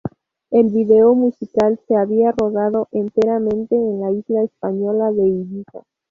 El vídeo musical se había rodado enteramente en la isla española de Ibiza.